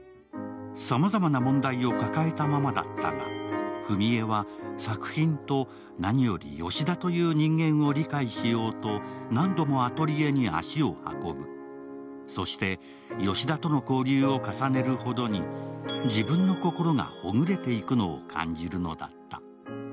さまざまな問題を抱えたままだったが、史絵は何よりヨシダという人間を理解しようと何度もアトリエに足を運ぶそしてヨシダとの交流を重ねるほどに自分の心がほぐれていくのを感じるのだった。